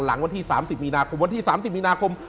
หลังวันที่๓๐มีนาคมวันที่๓๐มีนาคม